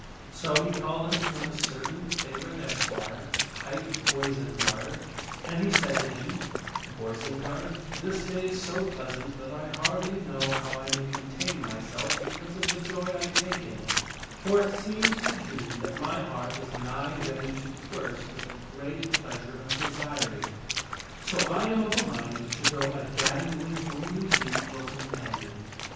So he called unto him a certain favorite esquire, hight Boisenard, and he said to him, " Boisenard, this day is so pleasant that I hardly know how I may contain myself because of the joy I take in it, for it seems to be that my heart is nigh ready to burst with a great pleasure of desiring. So I am of a mind to go a gadding with only thee for companion."